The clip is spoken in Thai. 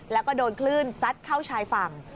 แล้วก็โดนคลื่นซัดเข้าชายฝั่ง